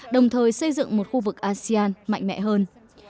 đồng thời xây dựng một khu vực asean mạnh mẽ hơn